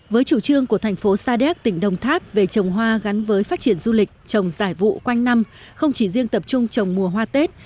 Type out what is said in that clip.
với chủ trương của thành phố sa đéc tỉnh đồng tháp về trồng hoa gắn với phát triển du lịch trồng giải vụ quanh năm không chỉ riêng tập trung trồng mùa hoa tết